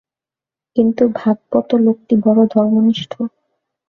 কিন্তু ভাগবত লোকটা বড় ধর্মনিষ্ঠ।